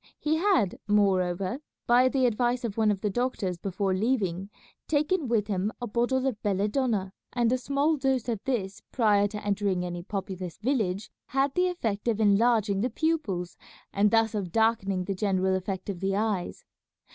He had, moreover, by the advice of one of the doctors before leaving, taken with him a bottle of belladonna, and a small dose of this prior to entering any populous village had the effect of enlarging the pupils and thus of darkening the general effect of the eyes.